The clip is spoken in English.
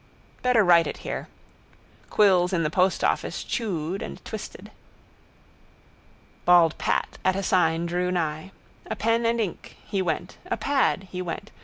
Better write it here. Quills in the postoffice chewed and twisted. Bald Pat at a sign drew nigh. A pen and ink. He went. A pad. He went.